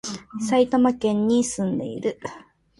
埼玉県に、住んでいる